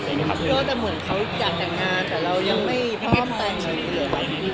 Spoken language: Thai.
เพราะแต่เหมือนเค้าอยากแต่งงานแต่เรายังไม่พร้อมแต่งเลย